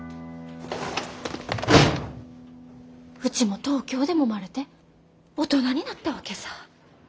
うちも東京でもまれて大人になったわけさ。